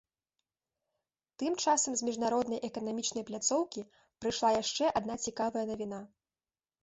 Тым часам з міжнароднай эканамічнай пляцоўкі прыйшла яшчэ адна цікавая навіна.